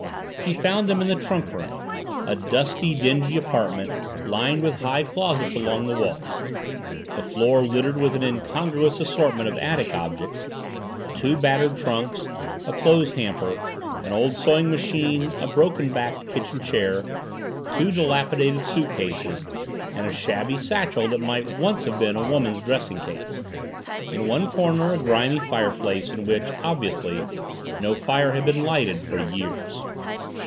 He found them in the trunk room, a dusty, dingy apartment lined with high closets along the walls the floor littered with an incongruous assortment of attic objects two battered trunks, a clothes hamper, an old sewing machine, a broken backed kitchen chair, two dilapidated suitcases and a shabby satchel that might once have been a woman's dressing case in one corner a grimy fireplace in which, obviously, no fire had been lighted for years.